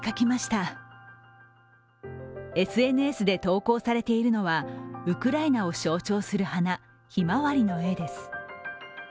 ＳＮＳで投稿されているのはウクライナを象徴する花、ひまわりの絵です。